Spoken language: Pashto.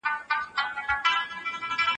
هر ازموینه هدف لري.